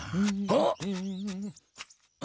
あっ！